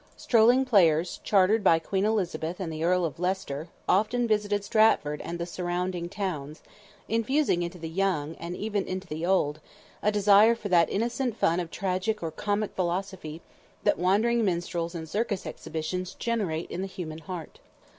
Strolling players, chartered by Queen Elizabeth and the Earl of Leicester, often visited Stratford and the surrounding towns, infusing into the young, and even the old, a desire for that innocent fun of tragic or comic philosophy that wandering minstrels and circus exhibitions generate in the human heart.